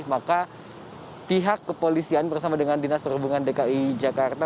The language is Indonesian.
maka pihak kepolisian bersama dengan dinas perhubungan dki jakarta